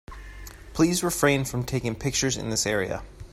Please refrain from taking pictures in this area.